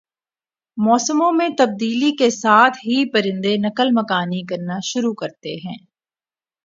موسموں میں تبدیلی کے ساتھ ہی پرندے نقل مکانی کرنا شروع کرتے ہیں